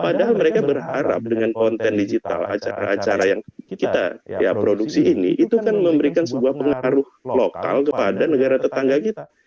padahal mereka berharap dengan konten digital acara acara yang kita produksi ini itu kan memberikan sebuah pengaruh lokal kepada negara tetangga kita